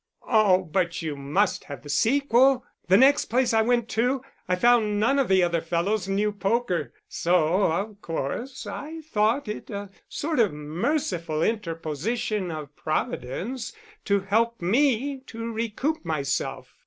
"Oh, but you must have the sequel. The next place I went to, I found none of the other fellows knew poker; so of course I thought it a sort of merciful interposition of Providence to help me to recoup myself.